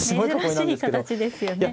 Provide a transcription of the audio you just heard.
珍しい形ですよね。